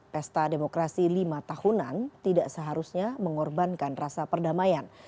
pesta demokrasi lima tahunan tidak seharusnya mengorbankan rasa perdamaian